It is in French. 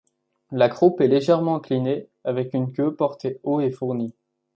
La croupe est légèrement inclinée, avec une queue portée haut et fournis.